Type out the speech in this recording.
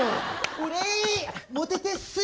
俺モテてえっす。